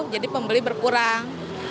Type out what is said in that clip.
jadi pembeli berkurang